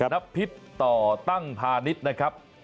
นพิษต่อตั้งพาณิชย์นะครับ